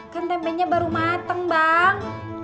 kan tempenya baru matang bang